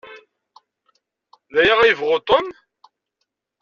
D aya ad yebɣu Tom?